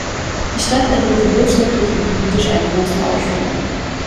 Die Stadt erlebte wirtschaftlich und politisch einen großen Aufschwung.